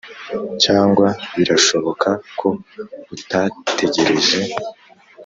cyangwa birashoboka ko utategereje: